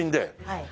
はい。